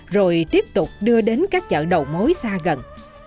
rồi tiếp tục đưa đến các chợ đầu mối xa gần